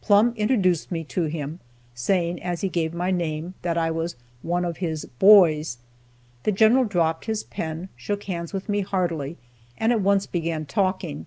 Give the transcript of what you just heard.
Plumb introduced me to him, saying, as he gave my name, that I was one of his "boys." The General dropped his pen, shook hands with me heartily, and at once began talking.